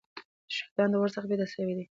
شيطان د اور څخه پيدا سوی دی